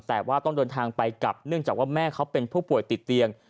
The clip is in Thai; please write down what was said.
แต่ว่าต้องเดินทางไปกลับเนื่องจากว่าแม่เขาเป็นผู้ป่วยติดเตียง